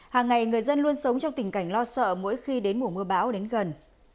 hàng ngày người dân luôn sống trong tình cảnh lo sợ mỗi khi đến mùa mưa bão đến gần